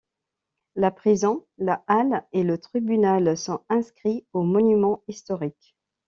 La prison, la halle et le tribunal sont inscrits aux Monuments historiques.